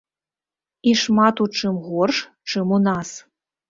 І шмат у чым горш, чым у нас.